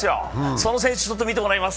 その選手ちょっと見てもらいます。